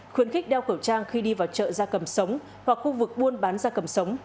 khuyến khích đeo khẩu trang khi đi vào chợ da cầm sống hoặc khu vực buôn bán da cầm sống